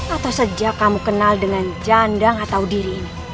atau sejak kamu kenal dengan jandang atau diri